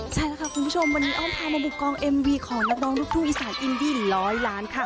ใช่แล้วค่ะคุณผู้ชมวันนี้อ้อมพามาบุกกองเอ็มวีของนักร้องลูกทุ่งอีสานอินดี้ร้อยล้านค่ะ